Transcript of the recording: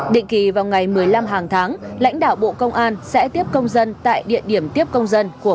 định kỳ vào ngày một mươi năm hàng tháng lãnh đạo bộ công an sẽ tiếp công dân tại địa điểm tiếp công dân của bộ công an